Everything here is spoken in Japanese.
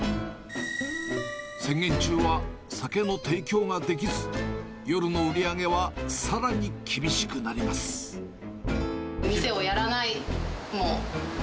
宣言中は酒の提供ができず、夜の売り上げはさらに厳しくなり店をやらない、もう。